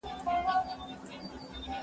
د ژوند حق د ټولو انسانانو لپاره دی.